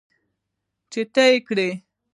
چې ته یې کرې .